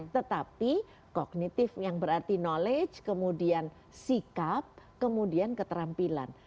tetapi kognitif yang berarti knowledge kemudian sikap kemudian keterampilan